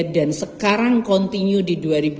dan sekarang continue di dua ribu dua puluh empat